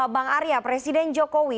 bang arya presiden jokowi